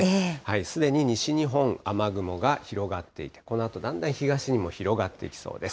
すでに西日本、雨雲が広がっていて、このあとだんだん東にも広がっていきそうです。